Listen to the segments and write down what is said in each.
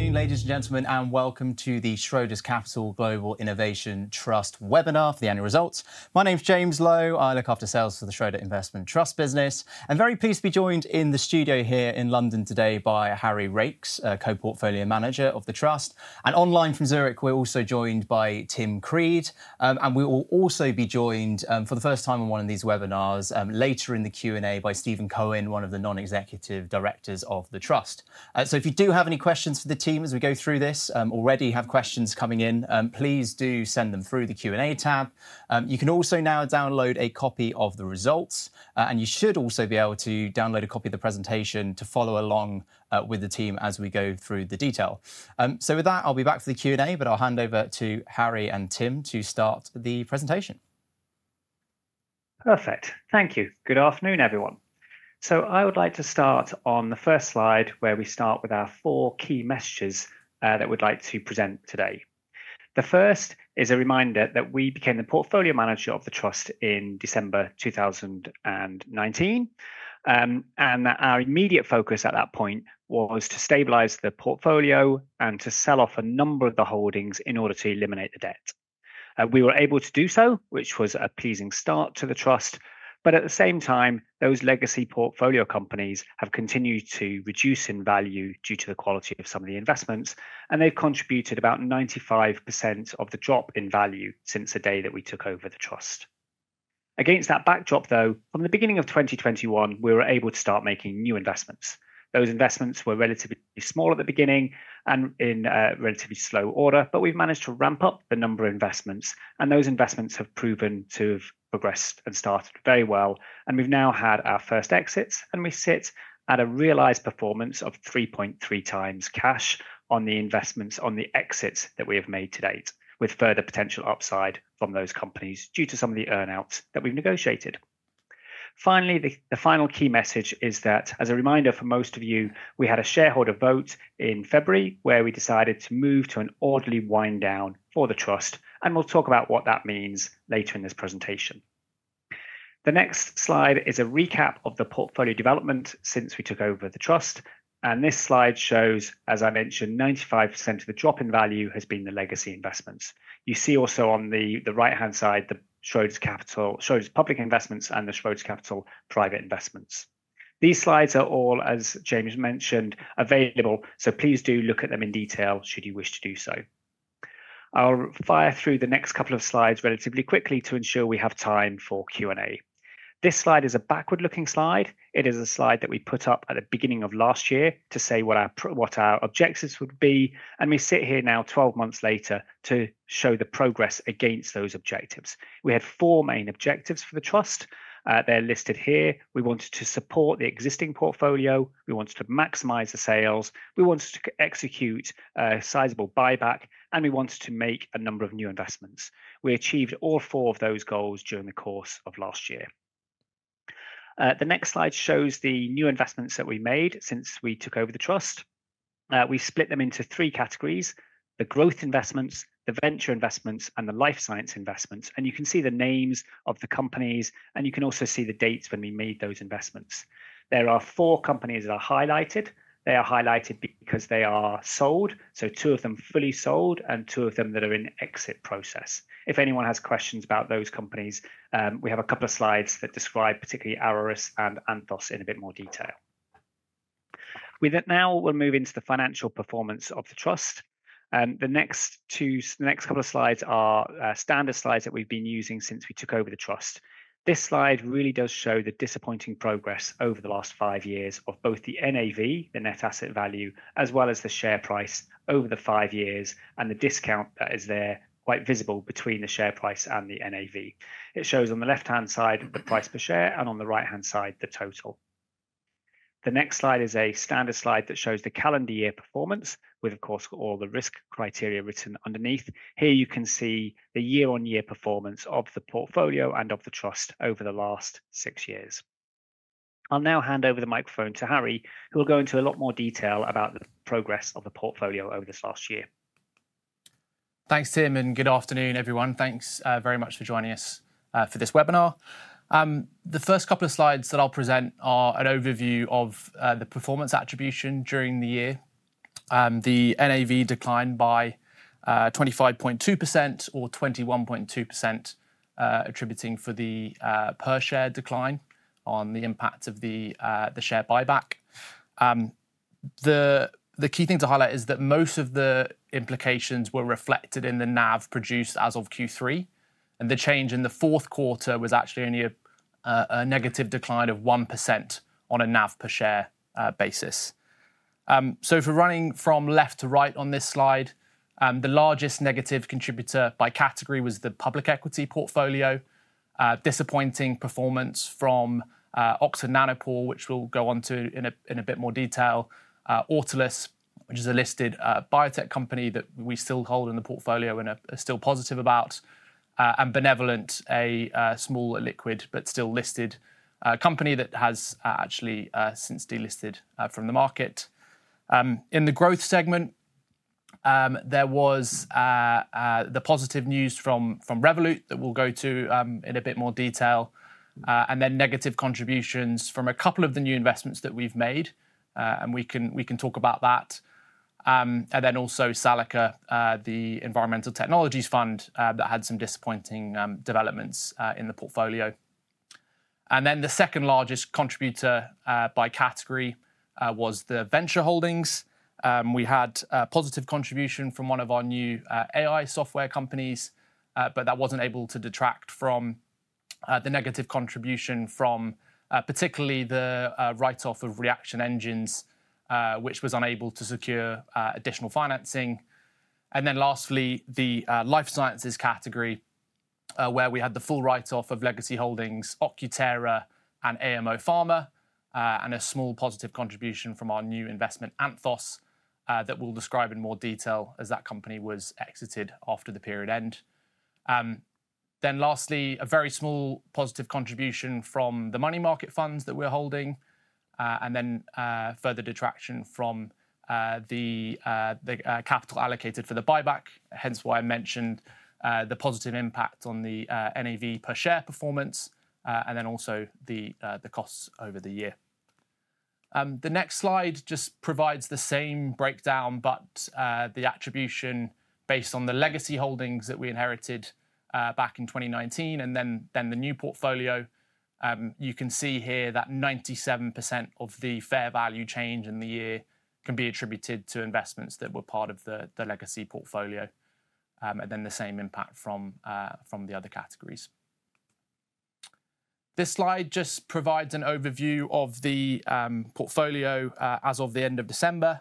Good evening, ladies and gentlemen, and welcome to the Schroders Capital Global Innovation Trust webinar for the annual results. My name is James Lowe. I look after sales for the Schroder Investment Trust business. I'm very pleased to be joined in the studio here in London today by Harry Raikes, Co-Portfolio Manager of the Trust. Online from Zurich, we're also joined by Tim Creed. We will also be joined for the first time on one of these webinars later in the Q&A by Stephen Cohen, one of the Non-Executive Directors of the Trust. If you do have any questions for the team as we go through this, already have questions coming in, please do send them through the Q&A tab. You can also now download a copy of the results. You should also be able to download a copy of the presentation to follow along with the team as we go through the detail. With that, I'll be back for the Q&A, but I'll hand over to Harry and Tim to start the presentation. Perfect. Thank you. Good afternoon, everyone. I would like to start on the first slide where we start with our four key messages that we'd like to present today. The first is a reminder that we became the portfolio manager of the Trust in December 2019, and that our immediate focus at that point was to stabilize the portfolio and to sell off a number of the holdings in order to eliminate the debt. We were able to do so, which was a pleasing start to the Trust. At the same time, those legacy portfolio companies have continued to reduce in value due to the quality of some of the investments. They have contributed about 95% of the drop in value since the day that we took over the Trust. Against that backdrop, from the beginning of 2021, we were able to start making new investments. Those investments were relatively small at the beginning and in relatively slow order. We have managed to ramp up the number of investments. Those investments have proven to have progressed and started very well. We have now had our first exits. We sit at a realized performance of 3.3x cash on the investments on the exits that we have made to date, with further potential upside from those companies due to some of the earnouts that we have negotiated. Finally, the final key message is that, as a reminder for most of you, we had a shareholder vote in February where we decided to move to an orderly wind-down for the trust. We will talk about what that means later in this presentation. The next slide is a recap of the portfolio development since we took over the trust. This slide shows, as I mentioned, 95% of the drop in value has been the legacy investments. You see also on the right-hand side the Schroders Capital Public Investments and the Schroders Capital Private Investments. These slides are all, as James mentioned, available. Please do look at them in detail should you wish to do so. I'll fire through the next couple of slides relatively quickly to ensure we have time for Q&A. This slide is a backward-looking slide. It is a slide that we put up at the beginning of last year to say what our objectives would be. We sit here now 12 months later to show the progress against those objectives. We had four main objectives for the Trust. They're listed here. We wanted to support the existing portfolio. We wanted to maximize the sales. We wanted to execute a sizable buyback. We wanted to make a number of new investments. We achieved all four of those goals during the course of last year. The next slide shows the new investments that we made since we took over the trust. We split them into three categories: the Growth investments, the Venture investments, and the Life Science investments. You can see the names of the companies. You can also see the dates when we made those investments. There are four companies that are highlighted. They are highlighted because they are sold, so two of them fully sold and two of them that are in exit process. If anyone has questions about those companies, we have a couple of slides that describe particularly Araris and Anthos in a bit more detail. We now will move into the financial performance of the Trust. The next couple of slides are standard slides that we've been using since we took over the Trust. This slide really does show the disappointing progress over the last five years of both the NAV, the net asset value, as well as the share price over the five years and the discount that is there quite visible between the share price and the NAV. It shows on the left-hand side the price per share and on the right-hand side the total. The next slide is a standard slide that shows the calendar year performance with, of course, all the risk criteria written underneath. Here you can see the year-on-year performance of the portfolio and of the trust over the last six years. I'll now hand over the microphone to Harry, who will go into a lot more detail about the progress of the portfolio over this last year. Thanks, Tim. Good afternoon, everyone. Thanks very much for joining us for this webinar. The first couple of slides that I'll present are an overview of the performance attribution during the year. The NAV declined by 25.2% or 21.2%, attributing for the per-share decline on the impact of the share buyback. The key thing to highlight is that most of the implications were reflected in the NAV produced as of Q3. The change in the fourth quarter was actually only a negative decline of 1% on a NAV per share basis. If we're running from left to right on this slide, the largest negative contributor by category was the public equity portfolio. Disappointing performance from Oxford Nanopore, which we'll go on to in a bit more detail. Autolus, which is a listed biotech company that we still hold in the portfolio and are still positive about. Benevolent, a small liquid but still listed company that has actually since delisted from the market. In the growth segment, there was the positive news from Revolut that we'll go to in a bit more detail. There were negative contributions from a couple of the new investments that we've made. We can talk about that. Also, Salica, the Environmental Technologies Fund, had some disappointing developments in the portfolio. The second largest contributor by category was the Venture holdings. We had a positive contribution from one of our new AI software companies, but that was not able to detract from the negative contribution from particularly the write-off of Reaction Engines, which was unable to secure additional financing. Lastly, the Life Sciences category, where we had the full write-off of Legacy holdings OcuTerra and AMO Pharma, and a small positive contribution from our new investment Anthos that we'll describe in more detail as that company was exited after the period end. Lastly, a very small positive contribution from the money market funds that we're holding. Further detraction from the capital allocated for the buyback, hence why I mentioned the positive impact on the NAV per share performance, and also the costs over the year. The next slide just provides the same breakdown, but the attribution based on the Legacy holdings that we inherited back in 2019 and then the new portfolio. You can see here that 97% of the fair value change in the year can be attributed to investments that were part of the legacy portfolio. The same impact from the other categories. This slide just provides an overview of the portfolio as of the end of December.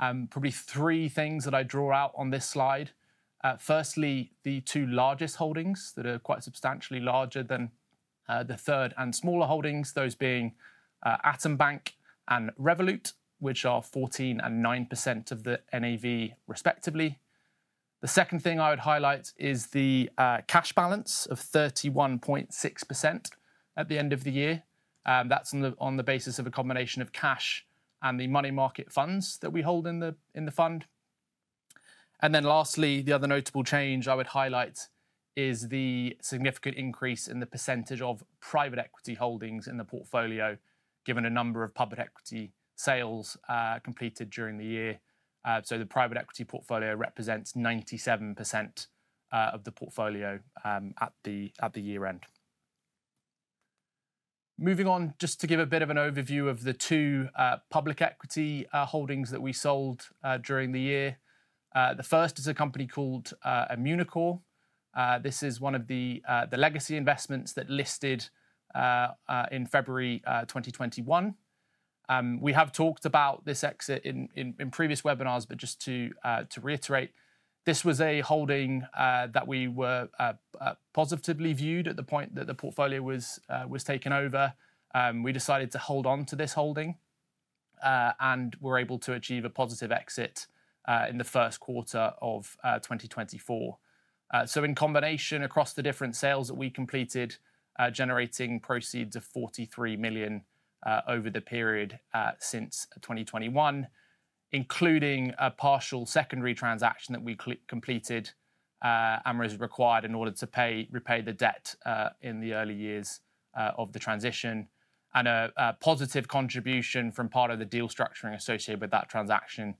Probably three things that I draw out on this slide. Firstly, the two largest holdings that are quite substantially larger than the third and smaller holdings, those being Atom Bank and Revolut, which are 14% and 9% of the NAV, respectively. The second thing I would highlight is the cash balance of 31.6% at the end of the year. That is on the basis of a combination of cash and the money market funds that we hold in the fund. Lastly, the other notable change I would highlight is the significant increase in the percentage of Private Equity holdings in the portfolio, given a number of public equity sales completed during the year. The Private Equity portfolio represents 97% of the portfolio at the year end. Moving on, just to give a bit of an overview of the two public equity holdings that we sold during the year. The first is a company called Immunocore. This is one of the Legacy investments that listed in February 2021. We have talked about this exit in previous webinars, but just to reiterate, this was a holding that we were positively viewed at the point that the portfolio was taken over. We decided to hold on to this holding and were able to achieve a positive exit in the first quarter of 2024. In combination across the different sales that we completed, generating proceeds of 43 million over the period since 2021, including a partial secondary transaction that we completed monies required in order to repay the debt in the early years of the transition, and a positive contribution from part of the deal structuring associated with that transaction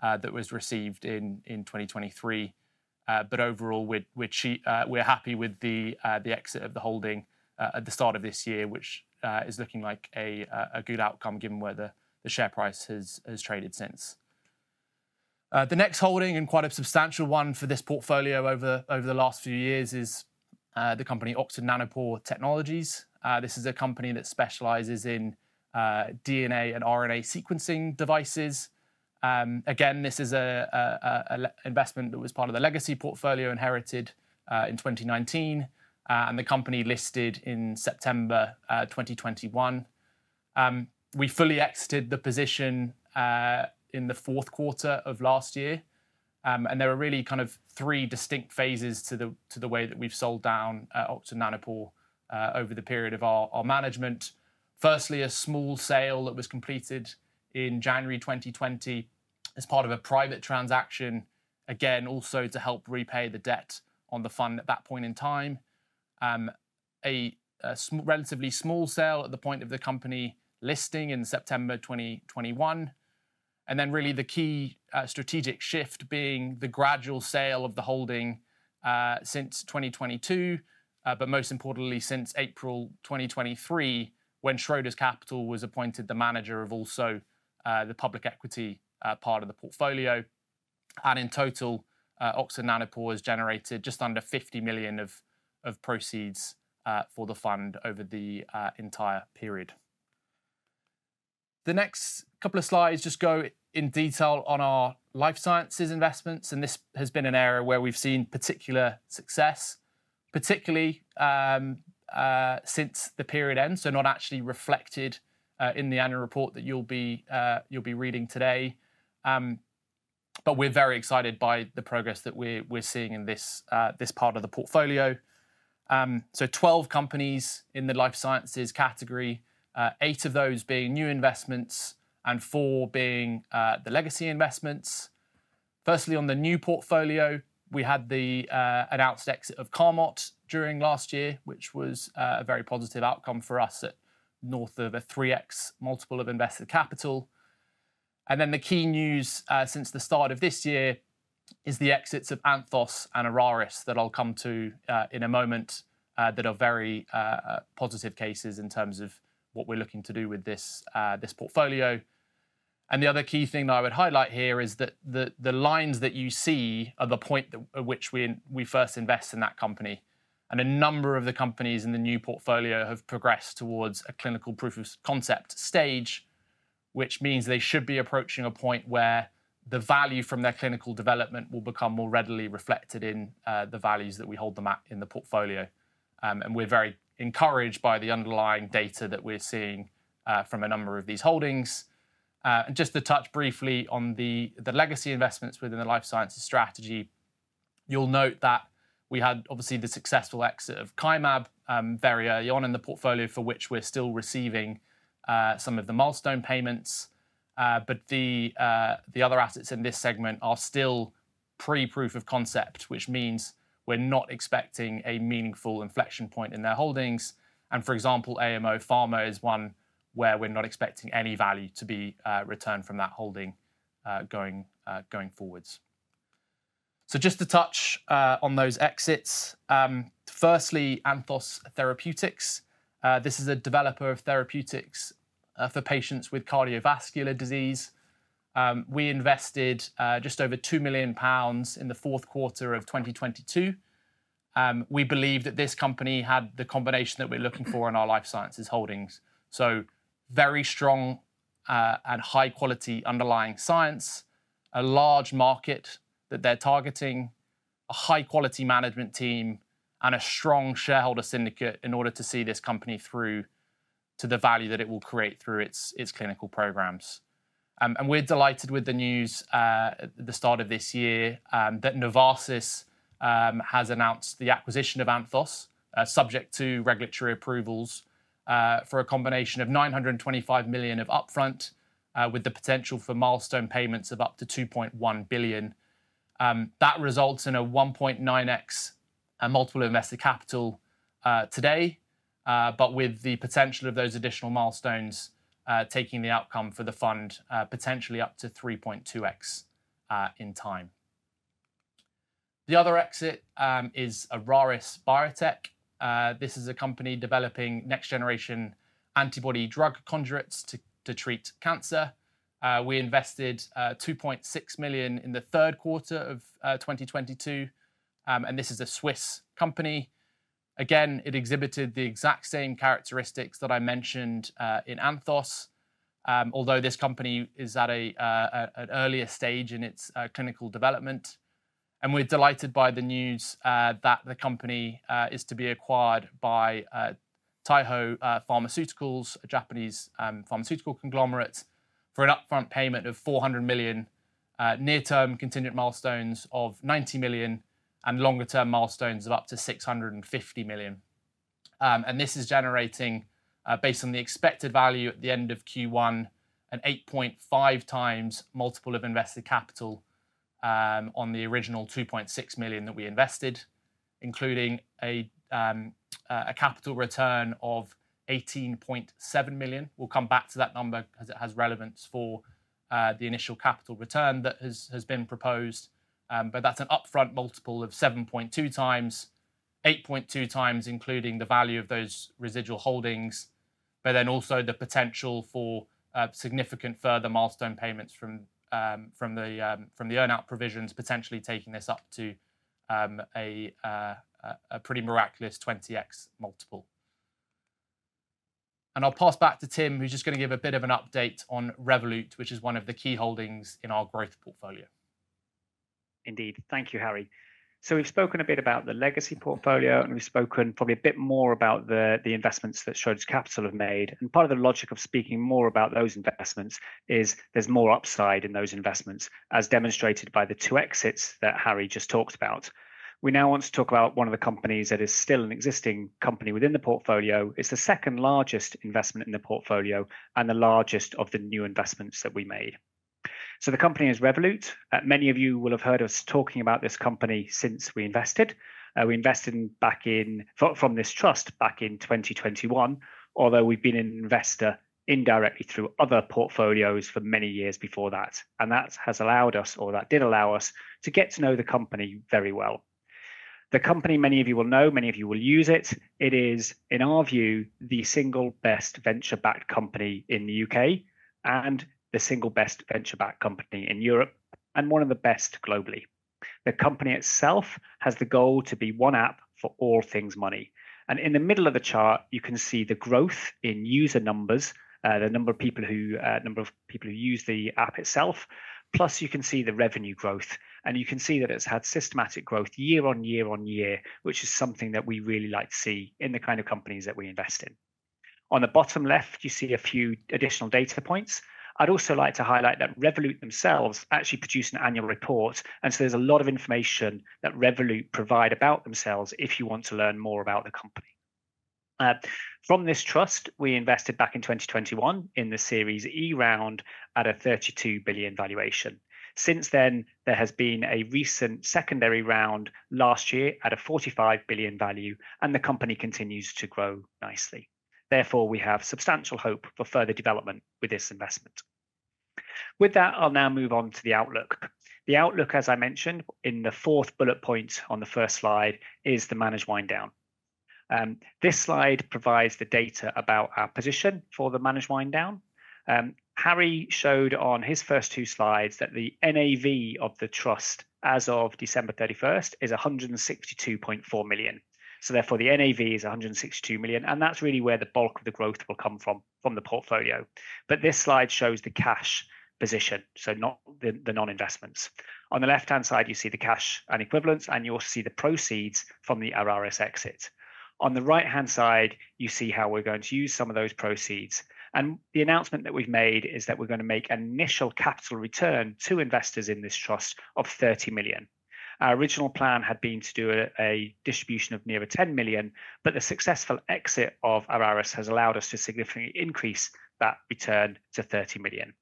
that was received in 2023. Overall, we're happy with the exit of the holding at the start of this year, which is looking like a good outcome given where the share price has traded since. The next holding, and quite a substantial one for this portfolio over the last few years, is the company Oxford Nanopore Technologies. This is a company that specializes in DNA and RNA sequencing devices. Again, this is an investment that was part of the Legacy portfolio inherited in 2019, and the company listed in September 2021. We fully exited the position in the fourth quarter of last year. There are really kind of three distinct phases to the way that we've sold down Oxford Nanopore over the period of our management. Firstly, a small sale that was completed in January 2020 as part of a private transaction, again, also to help repay the debt on the fund at that point in time. A relatively small sale at the point of the company listing in September 2021. The key strategic shift being the gradual sale of the holding since 2022, but most importantly since April 2023, when Schroders Capital was appointed the manager of also the public equity part of the portfolio. In total, Oxford Nanopore has generated just under 50 million of proceeds for the fund over the entire period. The next couple of slides just go in detail on our Life Sciences investments. This has been an area where we've seen particular success, particularly since the period end, not actually reflected in the annual report that you'll be reading today. We are very excited by the progress that we're seeing in this part of the portfolio. Twelve companies in the Life Sciences category, eight of those being new investments and four being the legacy investments. Firstly, on the new portfolio, we had the announced exit of Carmot during last year, which was a very positive outcome for us at north of a 3x multiple of invested capital. The key news since the start of this year is the exits of Anthos and Araris that I'll come to in a moment that are very positive cases in terms of what we're looking to do with this portfolio. The other key thing that I would highlight here is that the lines that you see are the point at which we first invest in that company. A number of the companies in the new portfolio have progressed towards a clinical proof of concept stage, which means they should be approaching a point where the value from their clinical development will become more readily reflected in the values that we hold them at in the portfolio. We're very encouraged by the underlying data that we're seeing from a number of these holdings. Just to touch briefly on the Legacy investments within the Life Sciences strategy, you'll note that we had obviously the successful exit of Kymab very early on in the portfolio for which we're still receiving some of the milestone payments. The other assets in this segment are still pre-proof of concept, which means we're not expecting a meaningful inflection point in their holdings. For example, AMO Pharma is one where we're not expecting any value to be returned from that holding going forwards. Just to touch on those exits, firstly, Anthos Therapeutics. This is a developer of therapeutics for patients with cardiovascular disease. We invested just over 2 million pounds in the fourth quarter of 2022. We believe that this company had the combination that we're looking for in our life sciences holdings. Very strong and high-quality underlying science, a large market that they're targeting, a high-quality management team, and a strong shareholder syndicate in order to see this company through to the value that it will create through its clinical programs. We're delighted with the news at the start of this year that Novartis has announced the acquisition of Anthos, subject to regulatory approvals, for a combination of 925 million of upfront with the potential for milestone payments of up to 2.1 billion. That results in a 1.9x multiple of invested capital today, but with the potential of those additional milestones taking the outcome for the fund potentially up to 3.2x in time. The other exit is Araris Biotech. This is a company developing next-generation antibody drug conjugates to treat cancer. We invested 2.6 million in the third quarter of 2022. This is a Swiss company. Again, it exhibited the exact same characteristics that I mentioned in Anthos, although this company is at an earlier stage in its clinical development. We are delighted by the news that the company is to be acquired by Taiho Pharmaceutical, a Japanese pharmaceutical conglomerate, for an upfront payment of 400 million, near-term contingent milestones of 90 million, and longer-term milestones of up to 650 million. This is generating, based on the expected value at the end of Q1, an 8.5x multiple of invested capital on the original 2.6 million that we invested, including a capital return of 18.7 million. We will come back to that number because it has relevance for the initial capital return that has been proposed. That's an upfront multiple of 7.2x, 8.2x including the value of those residual holdings, but then also the potential for significant further milestone payments from the earnout provisions, potentially taking this up to a pretty miraculous 20x multiple. I'll pass back to Tim, who's just going to give a bit of an update on Revolut, which is one of the key holdings in our growth portfolio. Indeed. Thank you, Harry. We've spoken a bit about the legacy portfolio, and we've spoken probably a bit more about the investments that Schroders Capital have made. Part of the logic of speaking more about those investments is there's more upside in those investments, as demonstrated by the two exits that Harry just talked about. We now want to talk about one of the companies that is still an existing company within the portfolio. It's the second largest investment in the portfolio and the largest of the new investments that we made. The company is Revolut. Many of you will have heard us talking about this company since we invested. We invested from this Trust back in 2021, although we've been an investor indirectly through other portfolios for many years before that. That has allowed us, or that did allow us, to get to know the company very well. The company, many of you will know, many of you will use it, it is, in our view, the single best venture-backed company in the U.K. and the single best venture-backed company in Europe and one of the best globally. The company itself has the goal to be one app for all things money. In the middle of the chart, you can see the growth in user numbers, the number of people who use the app itself, plus you can see the revenue growth. You can see that it's had systematic growth year-on-year-on-year, which is something that we really like to see in the kind of companies that we invest in. On the bottom left, you see a few additional data points. I'd also like to highlight that Revolut themselves actually produce an annual report. There is a lot of information that Revolut provide about themselves if you want to learn more about the company. From this Trust, we invested back in 2021 in the Series E round at a 32 billion valuation. Since then, there has been a recent secondary round last year at a 45 billion value, and the company continues to grow nicely. Therefore, we have substantial hope for further development with this investment. With that, I'll now move on to the outlook. The outlook, as I mentioned in the fourth bullet point on the first slide, is the managed wind-down. This slide provides the data about our position for the managed wind-down. Harry showed on his first two slides that the NAV of the trust as of December 31, 2024 is 162.4 million. Therefore, the NAV is 162 million. That is really where the bulk of the growth will come from, from the portfolio. This slide shows the cash position, so not the non-investments. On the left-hand side, you see the cash and equivalents, and you also see the proceeds from the Araris exit. On the right-hand side, you see how we're going to use some of those proceeds. The announcement that we've made is that we're going to make an initial capital return to investors in this trust of 30 million. Our original plan had been to do a distribution of near 10 million, but the successful exit of Araris has allowed us to significantly increase that return to GBP 3`0 million.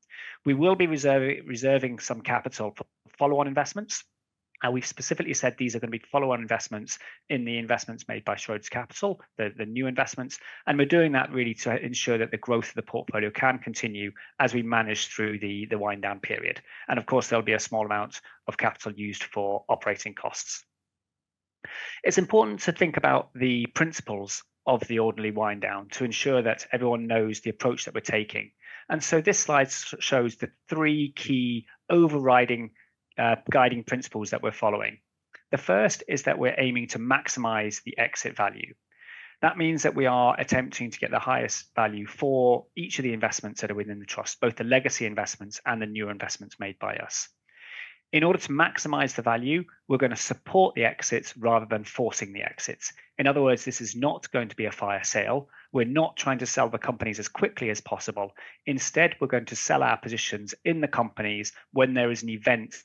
We will be reserving some capital for follow-on investments. We've specifically said these are going to be follow-on investments in the investments made by Schroders Capital, the new investments. We're doing that really to ensure that the growth of the portfolio can continue as we manage through the wind-down period. Of course, there'll be a small amount of capital used for operating costs. It's important to think about the principles of the ordinary wind-down to ensure that everyone knows the approach that we're taking. This slide shows the three key overriding guiding principles that we're following. The first is that we're aiming to maximize the exit value. That means that we are attempting to get the highest value for each of the investments that are within the Trust, both the legacy investments and the new investments made by us. In order to maximize the value, we're going to support the exits rather than forcing the exits. In other words, this is not going to be a fire sale. We're not trying to sell the companies as quickly as possible. Instead, we're going to sell our positions in the companies when there is an event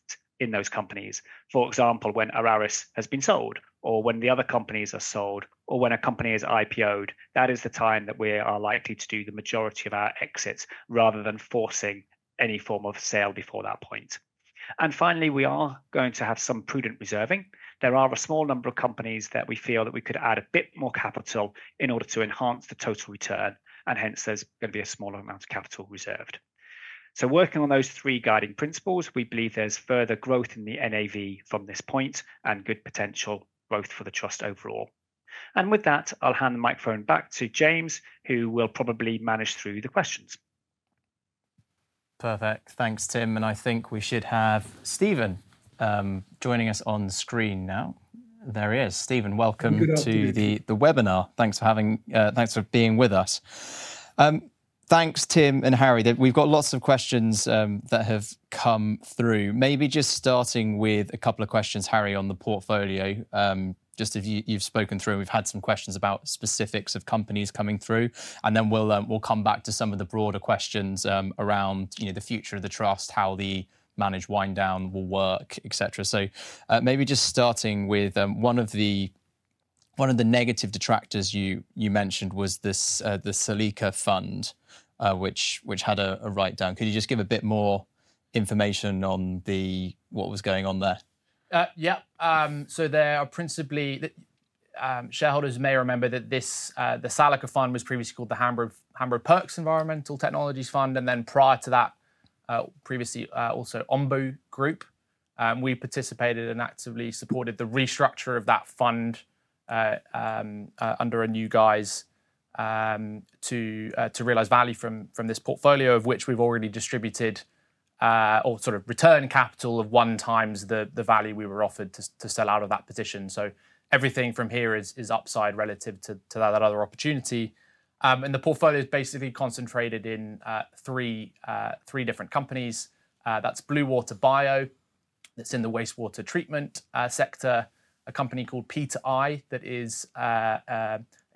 in those companies. For example, when Araris has been sold, or when the other companies are sold, or when a company is IPOed, that is the time that we are likely to do the majority of our exits rather than forcing any form of sale before that point. Finally, we are going to have some prudent reserving. There are a small number of companies that we feel that we could add a bit more capital in order to enhance the total return. Hence, there is going to be a smaller amount of capital reserved. Working on those three guiding principles, we believe there is further growth in the NAV from this point and good potential growth for the Trust overall. With that, I will hand the microphone back to James, who will probably manage through the questions. Perfect. Thanks, Tim. I think we should have Stephen joining us on screen now. There he is. Stephen, welcome to the webinar. Thanks for having, thanks for being with us. Thanks, Tim and Harry. We've got lots of questions that have come through. Maybe just starting with a couple of questions, Harry, on the portfolio, just if you've spoken through, we've had some questions about specifics of companies coming through. Then we'll come back to some of the broader questions around the future of the trust, how the managed wind-down will work, et cetera. Maybe just starting with one of the negative detractors you mentioned was the Salica Fund, which had a write-down. Could you just give a bit more information on what was going on there? Yeah. There are principally shareholders may remember that the Salica Fund was previously called the Hambro Perks Environmental Technology Fund. Prior to that, previously also Ombu Group, we participated and actively supported the restructure of that fund under a new guise to realize value from this portfolio, of which we've already distributed or sort of returned capital of one times the value we were offered to sell out of that position. Everything from here is upside relative to that other opportunity. The portfolio is basically concentrated in three different companies. That's Bluewater Bio, that's in the wastewater treatment sector, a company called P2i that is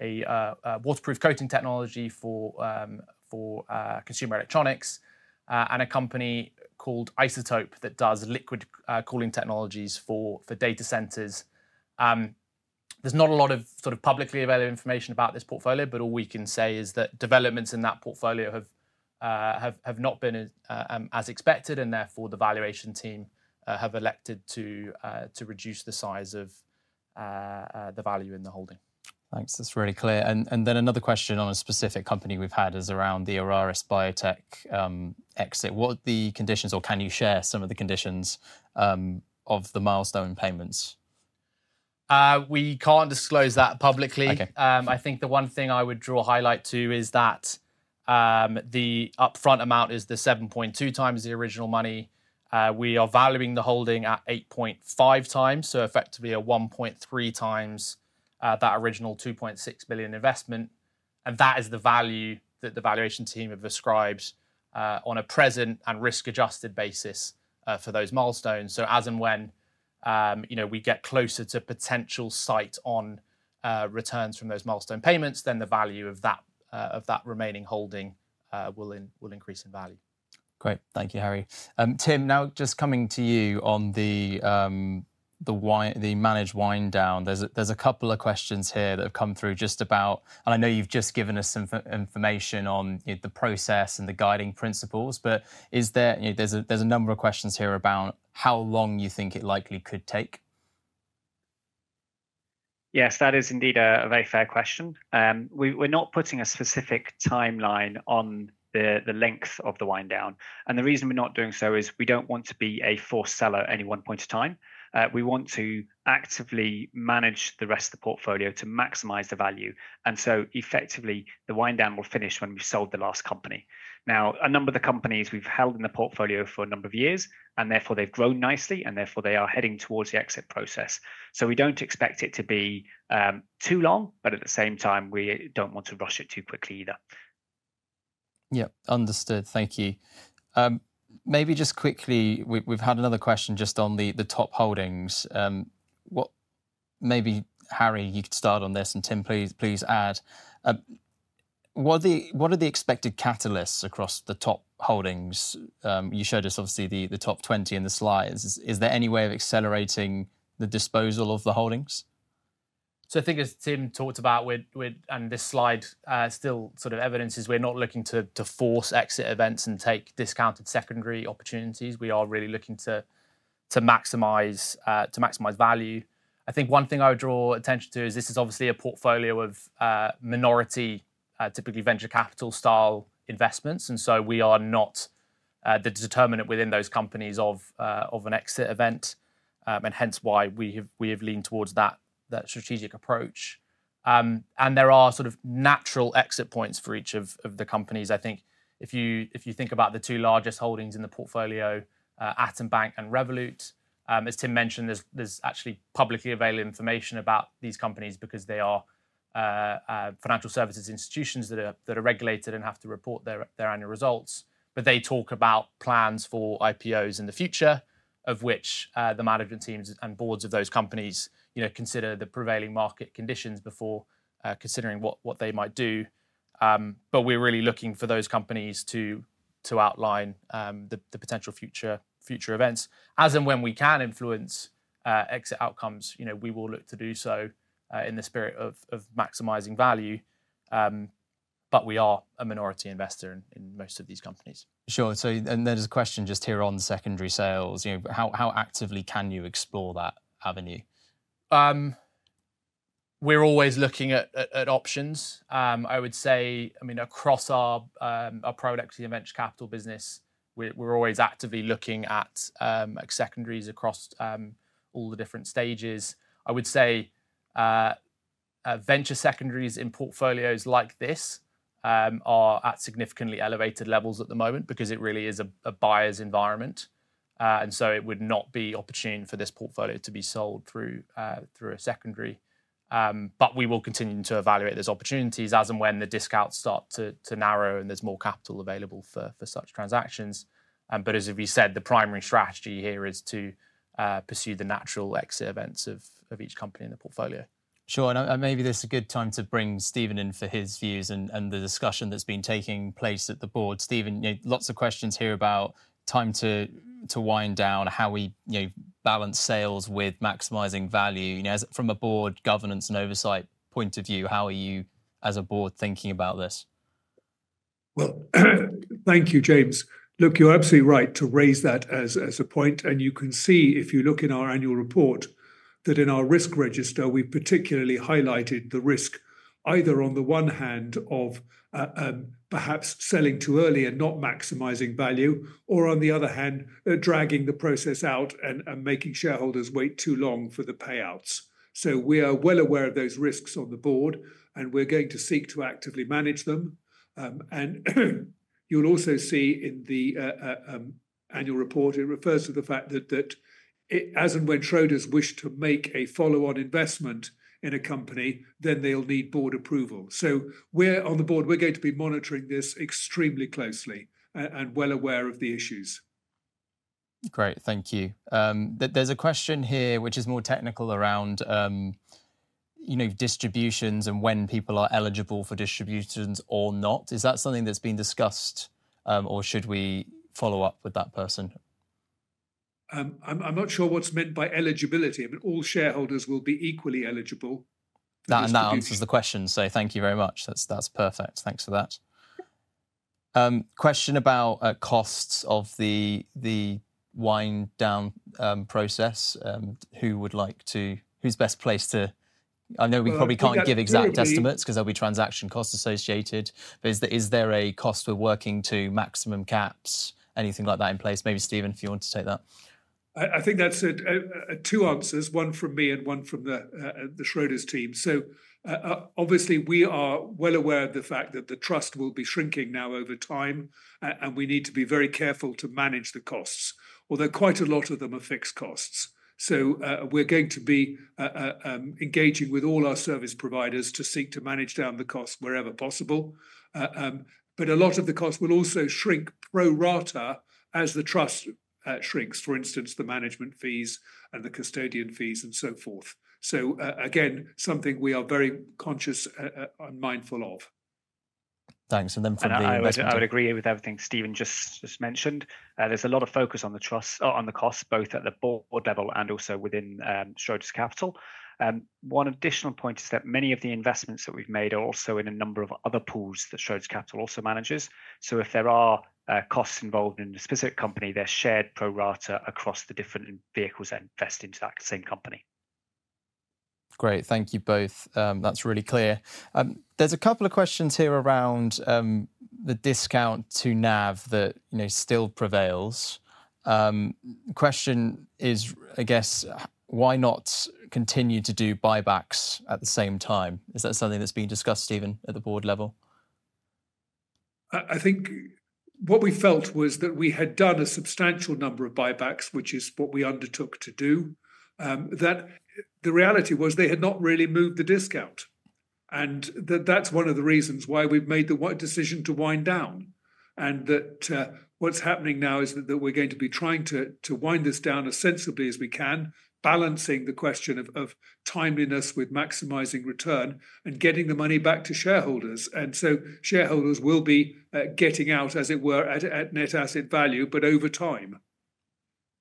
a waterproof coating technology for consumer electronics, and a company called Iceotope that does liquid-cooling technologies for data centers. There's not a lot of sort of publicly available information about this portfolio, but all we can say is that developments in that portfolio have not been as expected, and therefore the valuation team have elected to reduce the size of the value in the holding. Thanks. That's really clear. Another question on a specific company we've had is around the Araris Biotech exit. What are the conditions, or can you share some of the conditions of the milestone payments? We can't disclose that publicly. I think the one thing I would draw a highlight to is that the upfront amount is the 7.2x the original money. We are valuing the holding at 8.5x, so effectively a 1.3x that original 2.6 million investment. That is the value that the valuation team have ascribed on a present and risk-adjusted basis for those milestones. As and when we get closer to potential sight on returns from those milestone payments, then the value of that remaining holding will increase in value. Great. Thank you, Harry. Tim, now just coming to you on the managed wind-down, there's a couple of questions here that have come through just about, and I know you've just given us some information on the process and the guiding principles, but there's a number of questions here about how long you think it likely could take. Yes, that is indeed a very fair question. We're not putting a specific timeline on the length of the wind-down. The reason we're not doing so is we don't want to be a forced seller at any one point of time. We want to actively manage the rest of the portfolio to maximize the value. Effectively, the wind-down will finish when we've sold the last company. Now, a number of the companies we've held in the portfolio for a number of years, and therefore they've grown nicely, and therefore they are heading towards the exit process. We don't expect it to be too long, but at the same time, we don't want to rush it too quickly either. Yeah, understood. Thank you. Maybe just quickly, we've had another question just on the top holdings. Maybe Harry, you could start on this, and Tim, please add. What are the expected catalysts across the top holdings? You showed us, obviously, the top 20 in the slides. Is there any way of accelerating the disposal of the holdings? I think, as Tim talked about, and this slide still sort of evidences we're not looking to force exit events and take discounted secondary opportunities. We are really looking to maximize value. I think one thing I would draw attention to is this is obviously a portfolio of minority, typically venture-capital-style investments. We are not the determinant within those companies of an exit event, hence why we have leaned towards that strategic approach. There are sort of natural exit points for each of the companies. I think if you think about the two largest holdings in the portfolio, Atom Bank and Revolut, as Tim mentioned, there is actually publicly available information about these companies because they are financial services institutions that are regulated and have to report their annual results. They talk about plans for IPOs in the future, of which the management teams and boards of those companies consider the prevailing market conditions before considering what they might do. We are really looking for those companies to outline the potential future events. As and when we can influence exit outcomes, we will look to do so in the spirit of maximizing value. We are a minority investor in most of these companies. Sure. There is a question just here on secondary sales. How actively can you explore that avenue? We are always looking at options. I would say, I mean, across our Private Equity and Venture Capital business, we are always actively looking at secondaries across all the different stages. I would say venture secondaries in portfolios like this are at significantly elevated levels at the moment because it really is a buyer's environment. It would not be opportune for this portfolio to be sold through a secondary. We will continue to evaluate those opportunities as and when the discounts start to narrow and there's more capital available for such transactions. As we said, the primary strategy here is to pursue the natural exit events of each company in the portfolio. Sure. Maybe this is a good time to bring Stephen in for his views and the discussion that's been taking place at the Board. Stephen, lots of questions here about time to wind-down, how we balance sales with maximizing value. From a Board governance and oversight point of view, how are you as a Board thinking about this? Thank you, James. Look, you're absolutely right to raise that as a point. You can see if you look in our annual report that in our risk register, we have particularly highlighted the risk either on the one hand of perhaps selling too early and not maximizing value, or on the other hand, dragging the process out and making shareholders wait too long for the payouts. We are well aware of those risks on the board, and we are going to seek to actively manage them. You will also see in the annual report, it refers to the fact that as and when Schroders wish to make a follow-on investment in a company, then they will need Board approval. On the Board, we are going to be monitoring this extremely closely and are well aware of the issues. Great. Thank you. There is a question here, which is more technical around distributions and when people are eligible for distributions or not. Is that something that's been discussed, or should we follow up with that person? I'm not sure what's meant by eligibility. All shareholders will be equally eligible. That answers the question. Thank you very much. That's perfect. Thanks for that. Question about costs of the wind-down process. Who would like to, who's best placed to, I know we probably can't give exact estimates because there'll be transaction costs associated. Is there a cost for working to maximum caps, anything like that in place? Maybe Stephen, if you want to take that. I think that's two answers, one from me and one from the Schroders team. Obviously, we are well aware of the fact that the trust will be shrinking now over time, and we need to be very careful to manage the costs, although quite a lot of them are fixed costs. We're going to be engaging with all our service providers to seek to manage down the costs wherever possible. A lot of the costs will also shrink pro rata as the Trust shrinks, for instance, the management fees and the custodian fees and so forth. Again, something we are very conscious and mindful of. Thanks. I would agree with everything Stephen just mentioned. There's a lot of focus on the costs, both at the Board level and also within Schroders Capital. One additional point is that many of the investments that we've made are also in a number of other pools that Schroders Capital also manages. If there are costs involved in a specific company, they're shared pro rata across the different vehicles that invest into that same company. Great. Thank you both. That's really clear. There's a couple of questions here around the discount to NAV that still prevails. The question is, I guess, why not continue to do buybacks at the same time? Is that something that's been discussed, Stephen, at the Board level? I think what we felt was that we had done a substantial number of buybacks, which is what we undertook to do. The reality was they had not really moved the discount. That is one of the reasons why we've made the decision to wind-down. What is happening now is that we're going to be trying to wind this down as sensibly as we can, balancing the question of timeliness with maximizing return and getting the money back to shareholders. Shareholders will be getting out, as it were, at net asset value, but over time.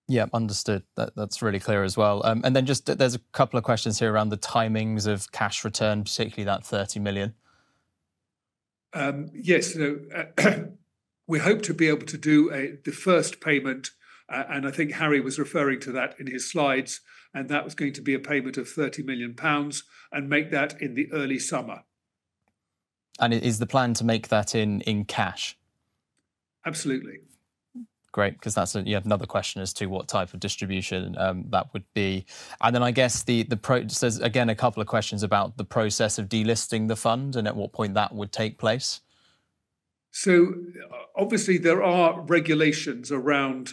Yeah, understood. That's really clear as well. There is a couple of questions here around the timings of cash return, particularly that 30 million. Yes. We hope to be able to do the first payment. I think Harry was referring to that in his slides, and that was going to be a payment of 30 million pounds and make that in the early summer. Is the plan to make that in cash? Absolutely. Great. You have another question as to what type of distribution that would be. I guess there is, again, a couple of questions about the process of delisting the fund and at what point that would take place. Obviously, there are regulations around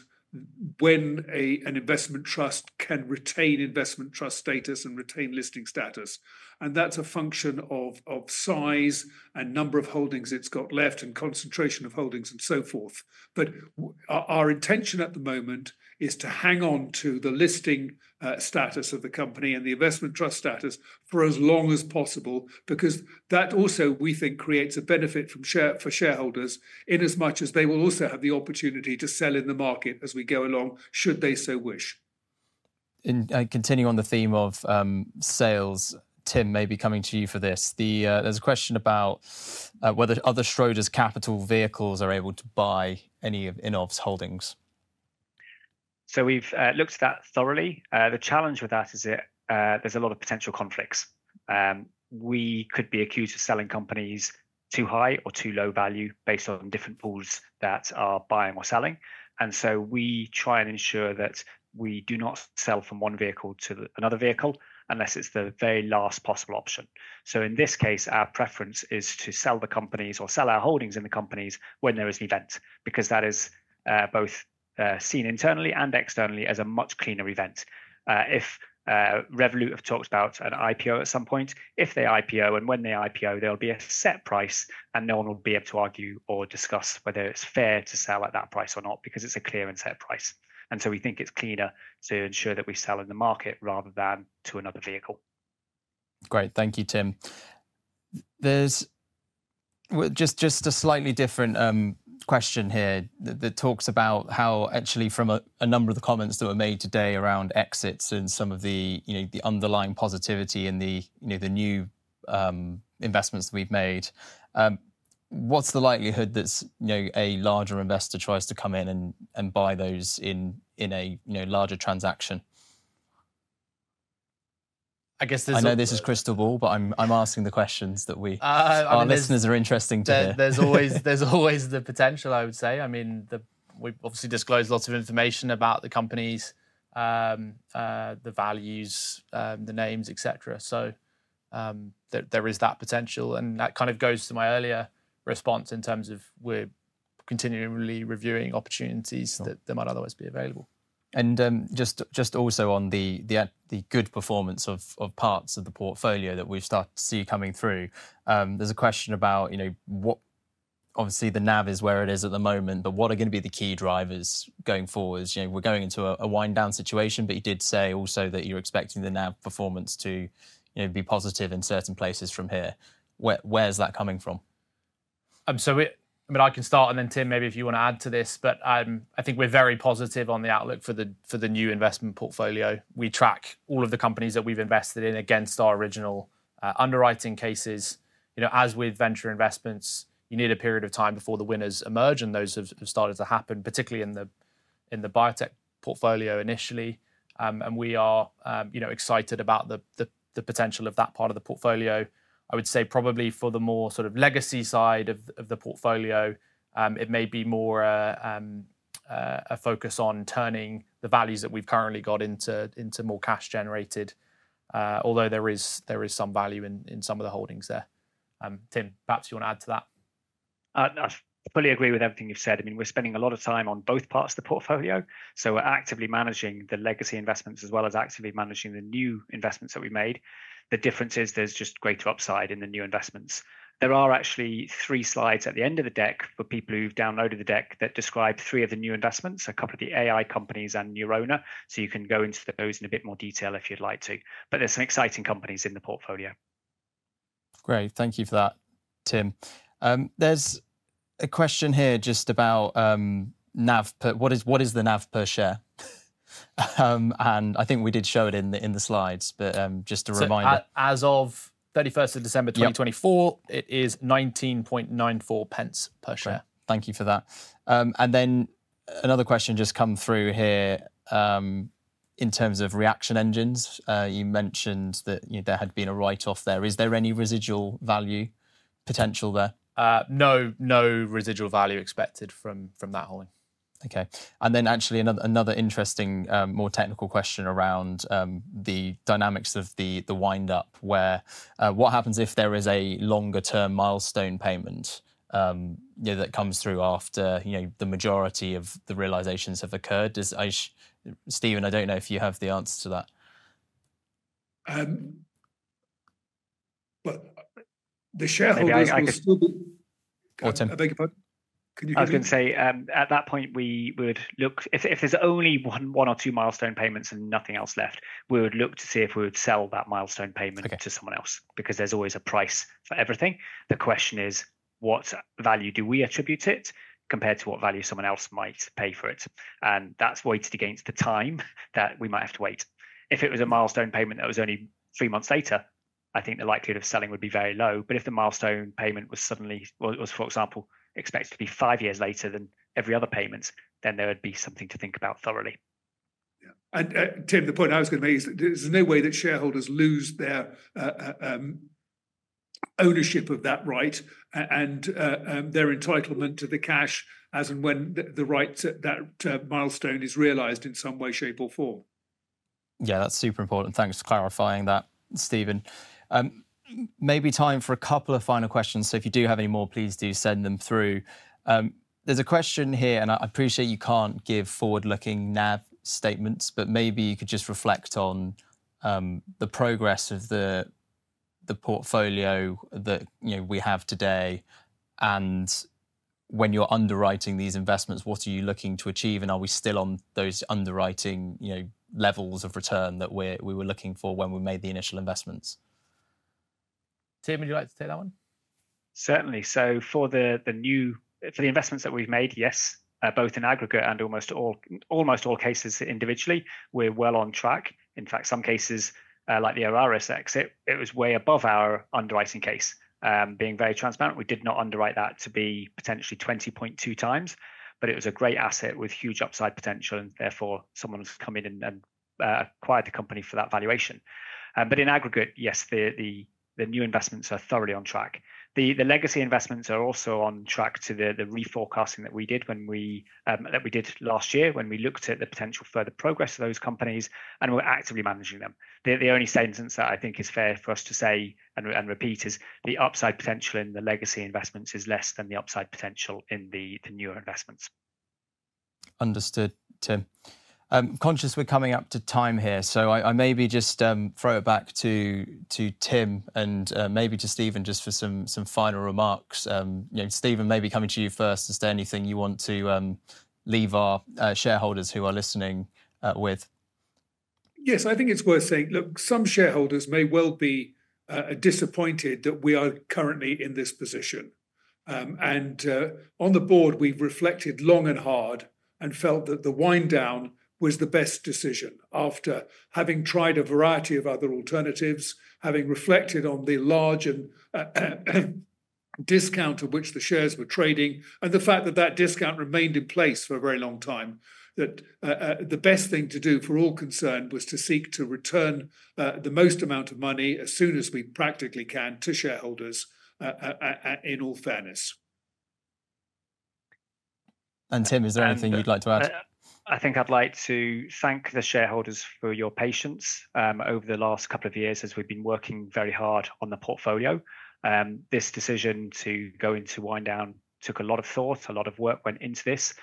when an investment trust can retain investment trust status and retain listing status. That is a function of size and number of holdings it has left and concentration of holdings and so forth. Our intention at the moment is to hang on to the listing status of the company and the investment trust status for as long as possible because that also, we think, creates a benefit for shareholders in as much as they will also have the opportunity to sell in the market as we go along, should they so wish. Continuing on the theme of sales, Tim, maybe coming to you for this. There's a question about whether other Schroders Capital vehicles are able to buy any of INOV's holdings. We've looked at that thoroughly. The challenge with that is there's a lot of potential conflicts. We could be accused of selling companies at too high or too low value based on different pools that are buying or selling. We try and ensure that we do not sell from one vehicle to another vehicle unless it's the very last possible option. In this case, our preference is to sell the companies or sell our holdings in the companies when there is an event because that is both seen internally and externally as a much cleaner event. If Revolut have talked about an IPO at some point, if they IPO and when they IPO, there will be a set price and no one will be able to argue or discuss whether it's fair to sell at that price or not because it's a clear and set price. We think it's cleaner to ensure that we sell in the market rather than to another vehicle. Great. Thank you, Tim. There's just a slightly different question here that talks about how actually from a number of the comments that were made today around exits and some of the underlying positivity in the new investments that we've made, what's the likelihood that a larger investor tries to come in and buy those in a larger transaction? I know this is crystal ball, but I'm asking the questions that our listeners are interested to hear. There's always the potential, I would say. I mean, we obviously disclose lots of information about the companies, the values, the names, etc. So there is that potential. That kind of goes to my earlier response in terms of we're continually reviewing opportunities that might otherwise be available. Just also on the good performance of parts of the portfolio that we've started to see coming through, there's a question about what obviously the NAV is where it is at the moment, but what are going to be the key drivers going forward? We're going into a wind-down situation, but you did say also that you're expecting the NAV performance to be positive in certain places from here. Where's that coming from? I mean, I can start, and then Tim, maybe if you want to add to this, but I think we're very positive on the outlook for the new investment portfolio. We track all of the companies that we've invested in against our original underwriting cases. As with venture investments, you need a period of time before the winners emerge, and those have started to happen, particularly in the biotech portfolio initially. We are excited about the potential of that part of the portfolio. I would say probably for the more sort of legacy side of the portfolio, it may be more a focus on turning the values that we've currently got into more cash-generated, although there is some value in some of the holdings there. Tim, perhaps you want to add to that? I fully agree with everything you've said. I mean, we're spending a lot of time on both parts of the portfolio. We are actively managing the legacy investments as well as actively managing the new investments that we made. The difference is there's just greater upside in the new investments. There are actually three slides at the end of the deck for people who've downloaded the deck that describe three of the new investments, a couple of the AI companies and Neurona. You can go into those in a bit more detail if you'd like to. There are some exciting companies in the portfolio. Great. Thank you for that, Tim. There is a question here just about NAV. What is the NAV per share? I think we did show it in the slides, but just a reminder. As of December 31, 2024, it is 0.1994 per share. Thank you for that. Another question just came through here in terms of Reaction Engines. You mentioned that there had been a write-off there. Is there any residual value potential there? No, no residual value expected from that holding. Okay. Actually, another interesting, more technical question around the dynamics of the wind up, where what happens if there is a longer-term milestone payment that comes through after the majority of the realizations have occurred? Stephen, I do not know if you have the answer to that. The shareholders can still be a bigger part. I was going to say at that point, we would look if there is only one or two milestone payments and nothing else left, we would look to see if we would sell that milestone payment to someone else because there is always a price for everything. The question is, what value do we attribute it compared to what value someone else might pay for it? That is weighted against the time that we might have to wait. If it was a milestone payment that was only three months later, I think the likelihood of selling would be very low. If the milestone payment was suddenly, for example, expected to be five years later than every other payment, there would be something to think about thoroughly. Yeah. Tim, the point I was going to make is there's no way that shareholders lose their ownership of that right and their entitlement to the cash as and when the right to that milestone is realized in some way, shape, or form. Yeah, that's super important. Thanks for clarifying that, Stephen. Maybe time for a couple of final questions. If you do have any more, please do send them through. There's a question here, and I appreciate you can't give forward-looking NAV statements, but maybe you could just reflect on the progress of the portfolio that we have today. When you're underwriting these investments, what are you looking to achieve? Are we still on those underwriting levels of return that we were looking for when we made the initial investments? Tim, would you like to take that one? Certainly. For the investments that we've made, yes, both in aggregate and almost all cases individually, we're well on track. In fact, some cases like the Araris exit, it was way above our underwriting case. Being very transparent, we did not underwrite that to be potentially 20.2x, but it was a great asset with huge upside potential, and therefore someone has come in and acquired the company for that valuation. In aggregate, yes, the new investments are thoroughly on track. The legacy investments are also on track to the reforecasting that we did last year when we looked at the potential further progress of those companies, and we're actively managing them. The only sentence that I think is fair for us to say and repeat is the upside potential in the legacy investments is less than the upside potential in the newer investments. Understood, Tim. Conscious we're coming up to time here, so I maybe just throw it back to Tim and maybe to Stephen just for some final remarks. Stephen, maybe coming to you first, is there anything you want to leave our shareholders who are listening with? Yes, I think it's worth saying, look, some shareholders may well be disappointed that we are currently in this position. On the Board, we've reflected long and hard and felt that the wind-down was the best decision after having tried a variety of other alternatives, having reflected on the large discount at which the shares were trading, and the fact that that discount remained in place for a very long time, that the best thing to do for all concerned was to seek to return the most amount of money as soon as we practically can to shareholders in all fairness. Tim, is there anything you'd like to add? I think I'd like to thank the shareholders for your patience over the last couple of years as we've been working very hard on the portfolio. This decision to go into wind-down took a lot of thought, a lot of work went into this.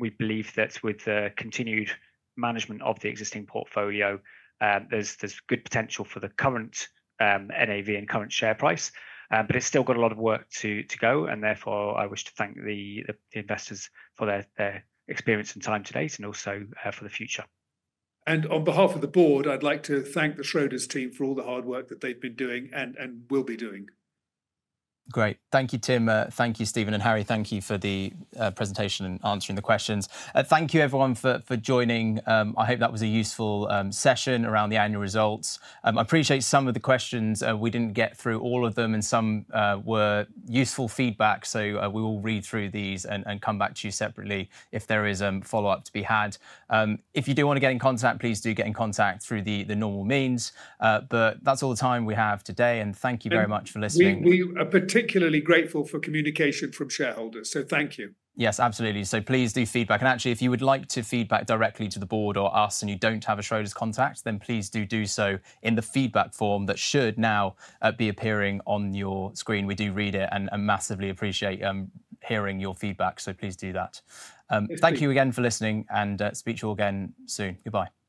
We believe that with the continued management of the existing portfolio, there's good potential for the current NAV and current share price, but it's still got a lot of work to go. Therefore, I wish to thank the investors for their experience and time today and also for the future. On behalf of the Board, I'd like to thank the Schroders team for all the hard work that they've been doing and will be doing. Great. Thank you, Tim. Thank you, Stephen and Harry. Thank you for the presentation and answering the questions. Thank you, everyone, for joining. I hope that was a useful session around the annual results. I appreciate some of the questions. We did not get through all of them, and some were useful feedback. We will read through these and come back to you separately if there is a follow-up to be had. If you do want to get in contact, please do get in contact through the normal means. That is all the time we have today. Thank you very much for listening. We are particularly grateful for communication from shareholders. Thank you. Yes, absolutely. Please do feedback. Actually, if you would like to feedback directly to the Board or us and you do not have a Schroders contact, then please do so in the feedback form that should now be appearing on your screen. We do read it and massively appreciate hearing your feedback. Please do that. Thank you again for listening, and speak to you all again soon. Goodbye. Goodbye.